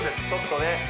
ちょっとね